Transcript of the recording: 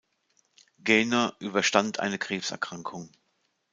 Gaynor überstand eine Krebserkrankung.